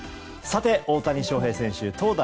大谷翔平選手投打